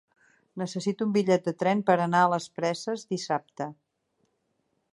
Necessito un bitllet de tren per anar a les Preses dissabte.